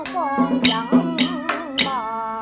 con vẫn bò